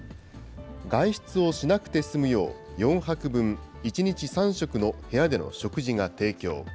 外出をしなくて済むよう、４泊分、１日３食の部屋での食事が提供。